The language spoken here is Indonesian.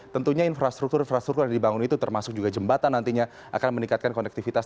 tentunya infrastruktur infrastruktur yang dibangun itu termasuk juga jembatan nantinya akan meningkatkan konektivitas